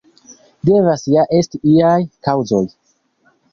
Devas ja esti iaj kaŭzoj.